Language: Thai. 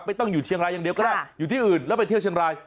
ต้องอยู่เชียงรายอย่างเดียวก็ได้อยู่ที่อื่นแล้วไปเที่ยวเชียงราย